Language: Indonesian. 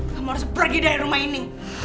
kamu harus pergi dari rumah ini